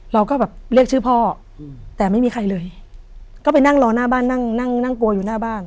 เราก็แบบเรียกชื่อพ่อแต่ไม่มีใครเลยก็ไปนั่งรอหน้าบ้านนั่งนั่งกลัวอยู่หน้าบ้าน